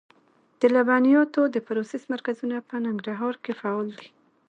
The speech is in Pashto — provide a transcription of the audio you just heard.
د لبنیاتو د پروسس مرکزونه په ننګرهار کې فعال دي.